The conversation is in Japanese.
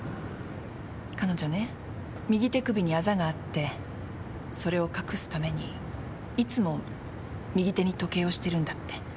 彼女ね右手首にあざがあってそれを隠すためにいつも右手に時計をしてるんだって。